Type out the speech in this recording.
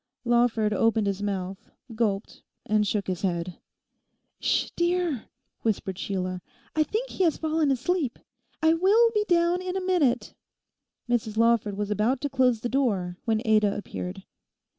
Lawford opened his mouth, gulped, and shook his head. 'Ssh, dear!' whispered Sheila, 'I think he has fallen asleep. I will be down in a minute.' Mrs Lawford was about to close the door when Ada appeared.